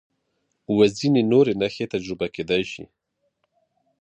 و ځینې نورې نښې تجربه کېدای شي.